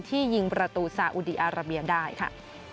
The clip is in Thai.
ยิงประตูซาอุดีอาราเบียได้ค่ะ